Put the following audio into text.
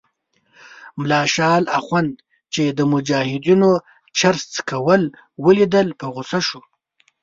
ملا شال اخند چې د مجاهدینو چرس څکول ولیدل په غوسه شو.